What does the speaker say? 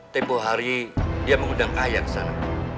tempoh hari dia mengundang ayah ke sana